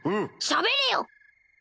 しゃべれよ！